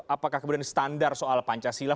apakah kemudian standar soal pancasila